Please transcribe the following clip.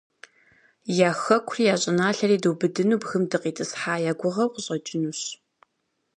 Я хэкури, я щӀыналъэри дубыдыну бгым дыкъитӀысхьа я гугъэу къыщӀэкӀынущ.